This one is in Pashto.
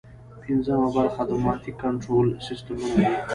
پنځمه برخه د اتوماتیک کنټرول سیسټمونه دي.